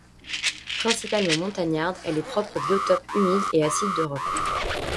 Principalement montagnarde, elle est propre aux biotopes humides et acides d'Europe.